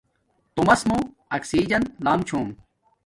تومس موں آکسجن لام چھوم